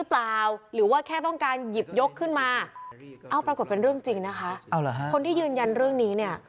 ปรากฏเป็นเรื่องจริงนะคะคนที่ยืนยันเรื่องนี้เนี่ย